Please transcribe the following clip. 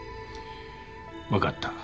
わかった。